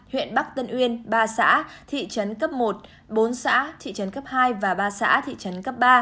huyện bắc tân uyên ba xã thị trấn cấp một bốn xã thị trấn cấp hai và ba xã thị trấn cấp ba